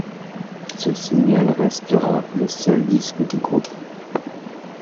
Ce single restera le seul disque du groupe.